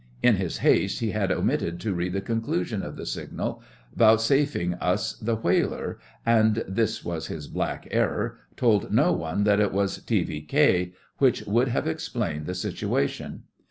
In his haste he had omitted to read the conclusion of the signal vouchsafing us the whaler, and (this was his black error) told no one that it was 'T.V.K.,' which would have explained the situation.